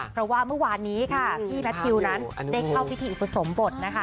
เพราะว่าเมื่อวานนี้ค่ะพี่แมททิวนั้นได้เข้าพิธีอุปสมบทนะคะ